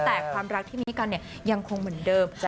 แต่ความรักที่มีกันยังคงเหมือนเดิม